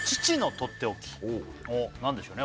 何でしょうね